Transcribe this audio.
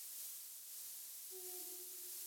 বিশ্বাস হতে চায় না।